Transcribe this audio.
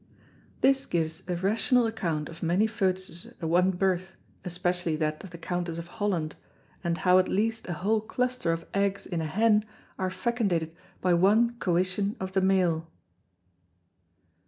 This gives a rational account of many Fœtus's at one Birth, especially that of the Countess of Holland, and how at least a whole Cluster of Eggs in a Hen are fecundated by one Coition of the Male.